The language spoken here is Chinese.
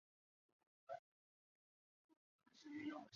也在日本投降后见到国民党军政人员接收上海的贪污腐败。